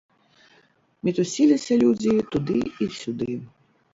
Мітусіліся людзі, туды і сюды.